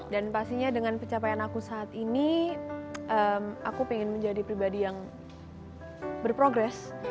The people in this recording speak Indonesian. dan pastinya dengan pencapaian aku saat ini aku pengen menjadi pribadi yang berprogress